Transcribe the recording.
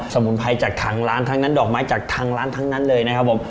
สมุนไพรจากถังร้านทั้งนั้นดอกไม้จากทางร้านทั้งนั้นเลยนะครับผม